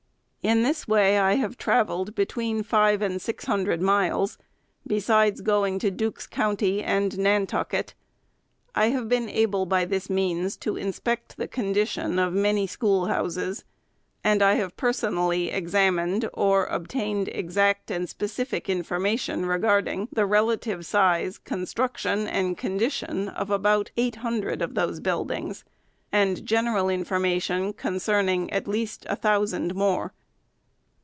In this way I have travelled between five and six hundred miles, besides going to Dukes County and Nantucket. I have been able, by this means, to inspect the condition of many schoolhouses; and I have personally examined, or obtained exact and specific information regarding the relative size, construction, and condition of about eight hundred of those buildings, and general information concerning, at least, a thousand more.